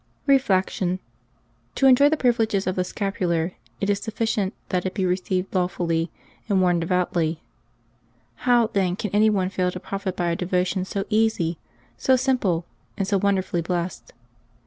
Reflection. — To enjoy the privileges of the scapular, it is sufficient that it be received lawfully and worn de voutly. How, then, can any one fail to profit by a devotion so easy, so simple, and so wonderfully blessed